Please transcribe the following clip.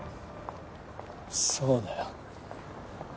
そうだよ。